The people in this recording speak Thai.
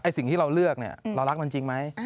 สิ่งที่เราเลือกเนี่ยเรารักมันจริงไหม